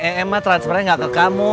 ema transfernya enggak ke kamu